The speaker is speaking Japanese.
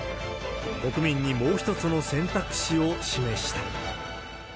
国民にもう一つの選択肢を示した。